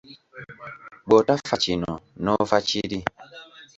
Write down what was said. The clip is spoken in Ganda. Bw’otafa kino n’ofa kiri.